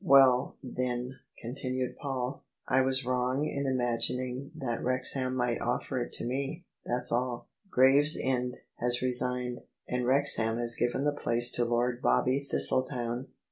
" Well, then," continued Paul, " I was wrong in imagin ing that Wrexham might offer it to me: that's all. Graves end has resigned, and Wrexham has given the place to Lord Bobby Thistletown."